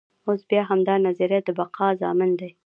اوس بیا همدا نظریه د بقا ضامن دی.